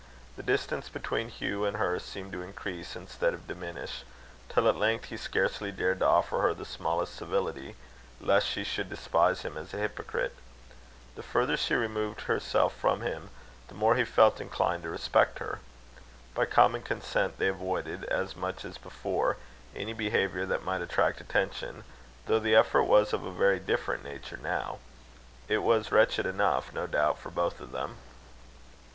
The distance between Hugh and her seemed to increase instead of diminish, till at length he scarcely dared to offer her the smallest civility, lest she should despise him as a hypocrite. The further she removed herself from him, the more he felt inclined to respect her. By common consent they avoided, as much as before, any behaviour that might attract attention; though the effort was of a very different nature now. It was wretched enough, no doubt, for both of them.